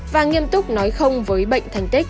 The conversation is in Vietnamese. và nghiêm túc nói không với bệnh thành tích